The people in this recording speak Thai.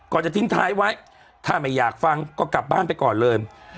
จะทิ้งท้ายไว้ถ้าไม่อยากฟังก็กลับบ้านไปก่อนเลย